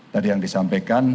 tadi yang disampaikan